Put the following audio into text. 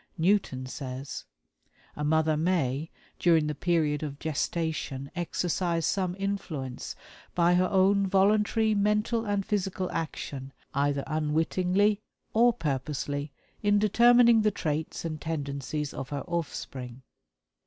Newton says: "A mother may, during the period of gestation, exercise some influence, by her own voluntary mental and physical action, either unwittingly or purposely, in determining the traits and tendencies of her offspring.